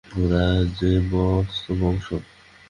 ওরা যে মস্ত বংশ।